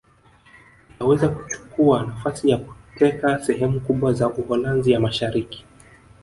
Ikaweza kuchukua nafasi ya kuteka sehemu kubwa za Uholanzi ya Mashariki